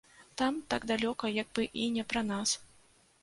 Там, так далёка, як бы і не пра нас.